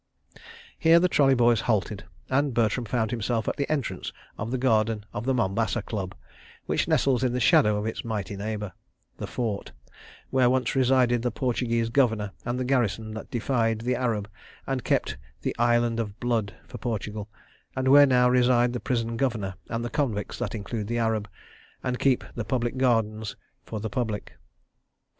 Here the trolley boys halted, and Bertram found himself at the entrance of the garden of the Mombasa Club, which nestles in the shadow of its mighty neighbour, the Fort—where once resided the Portuguese Governor and the garrison that defied the Arab and kept "the Island of Blood" for Portugal, and where now reside the Prison Governor and the convicts that include the Arab, and keep the public gardens for the public.